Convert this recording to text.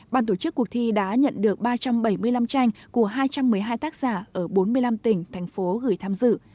ban tổ chức cuộc thi đã nhận được ba trăm bảy mươi năm tranh của hai trăm một mươi hai tác giả ở bốn mươi năm tỉnh thành phố gửi tham dự